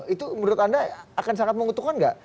itu menurut anda akan sangat mengutukkan gak